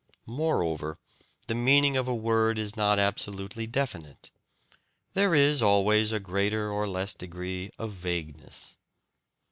Moreover, the meaning of a word is not absolutely definite: there is always a greater or less degree of vagueness.